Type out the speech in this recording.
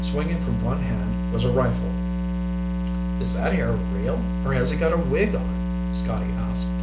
Swinging from one hand was a rifle. "Is that hair real or has he got a wig on?" Scotty asked.